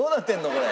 これ。